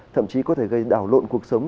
thậm chí có thể gây đảo lộn cuộc sống